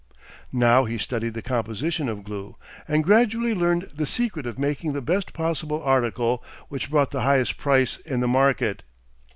Now he studied the composition of glue, and gradually learned the secret of making the best possible article which brought the highest price in the market.